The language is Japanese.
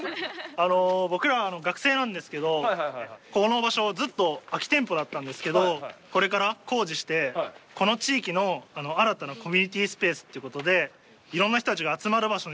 あの僕ら学生なんですけどここの場所ずっと空き店舗だったんですけどこれから工事してこの地域の新たなコミュニティースペースということでいろんな人たちが集まる場所にしたいなっていうので。